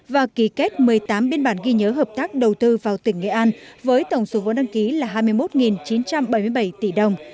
và ký kết một mươi tám biên bản ghi nhớ hợp tác đầu tư vào tỉnh nghệ an với tổng số vốn đăng ký là hai mươi một chín trăm bảy mươi bảy tỷ đồng